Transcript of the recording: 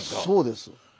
そうです。